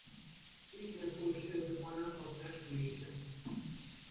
We therefore share the honour of that creation.